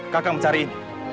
kau mencari ini